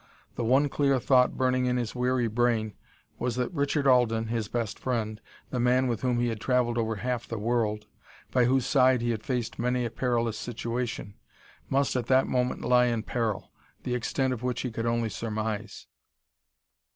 The one clear thought burning in his weary brain was that Richard Alden, his best friend the man with whom he had traveled over half the world, by whose side he had faced many a perilous situation must at that moment lie in peril, the extent of which he could only surmise.